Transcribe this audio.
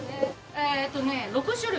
えーっとね６種類。